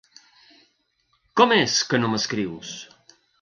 Com és que no m'escrius?